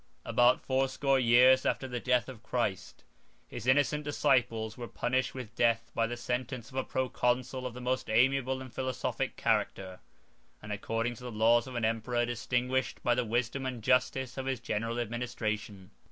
About fourscore years after the death of Christ, his innocent disciples were punished with death by the sentence of a proconsul of the most amiable and philosophic character, and according to the laws of an emperor distinguished by the wisdom and justice of his general administration.